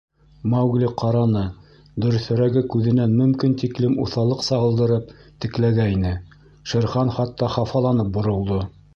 Маугли ҡараны, дөрөҫөрәге, күҙенән мөмкин тиклем уҫаллыҡ сағылдырып текләгәйне, Шер Хан хатта хафаланып боролдо.